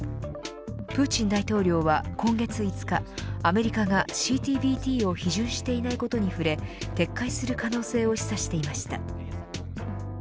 プーチン大統領は今月５日アメリカがＣＴＢＴを批准していないことに触れ撤回する可能性を示唆していました。